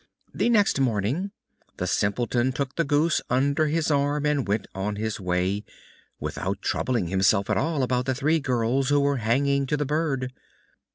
The next morning the Simpleton took the goose under his arm and went on his way, without troubling himself at all about the three girls who were hanging to the bird.